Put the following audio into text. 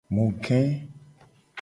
Mu ge.